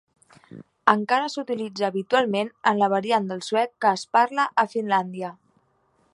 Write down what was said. Encara s'utilitza habitualment en la variant del suec que es parla a Finlàndia.